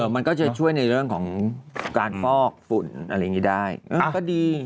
มันก็จะช่วยในเรื่องของการฟอกฝุ่นอะไรอย่างนี้ได้ก็ดี